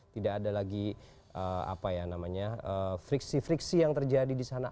tidak ada lagi apa ya namanya friksi friksi yang terjadi di sana